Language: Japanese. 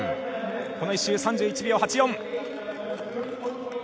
この１周、３１秒８４。